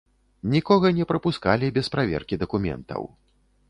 Нікога не прапускалі без праверкі дакументаў.